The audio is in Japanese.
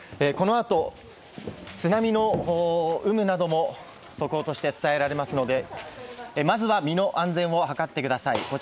このあと、津波の有無なども速報として伝えられますのでまずは身の安全を図ってください。